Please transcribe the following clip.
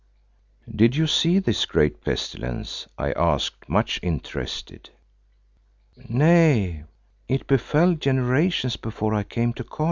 "Did you see this great pestilence?" I asked, much interested. "Nay, it befell generations before I came to Kôr.